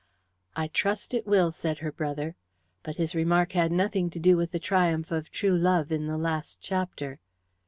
"I trust it will," said her brother, but his remark had nothing to do with the triumph of true love in the last chapter.